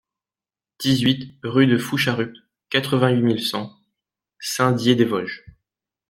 dix-huit rue de Foucharupt, quatre-vingt-huit mille cent Saint-Dié-des-Vosges